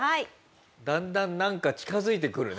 だんだんなんか近付いてくるね。